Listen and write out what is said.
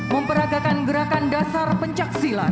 memperagakan gerakan dasar pencaksilat